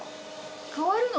変わるの？